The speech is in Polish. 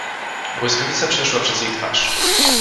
Błyskawica przeszła przez jej twarz.